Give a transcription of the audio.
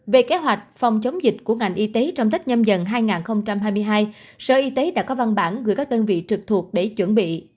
về kế hoạch phòng chống dịch của ngành y tế trong tết nhâm dần hai nghìn hai mươi hai sở y tế đã có văn bản gửi các đơn vị trực thuộc để chuẩn bị